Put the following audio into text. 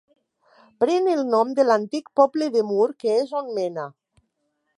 Pren el nom de l'antic poble de Mur, que és on mena.